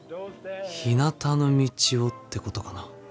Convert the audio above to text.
「ひなたの道を」ってことかな。